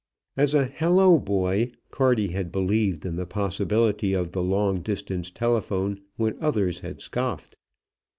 As a "hello boy" Carty had believed in the possibility of the long distance telephone when others had scoffed.